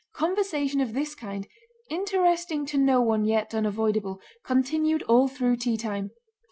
Conversation of this kind, interesting to no one yet unavoidable, continued all through teatime.